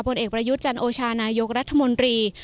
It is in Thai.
เอกประยุทธ์จันโอชานายกรัฐมนตรี